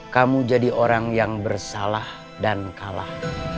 kamu jadi orang yang bersalah dan kalah